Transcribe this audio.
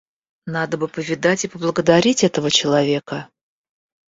Надо бы повидать и поблагодарить этого человека».